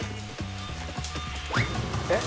えっ？